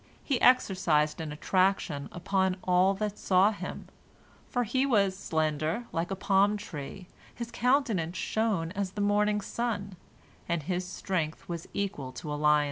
He exercised an attraction upon all that saw him, for he was slender like a palm tree, his countenance shone as the morning sun, and his strength was equal to a lion's.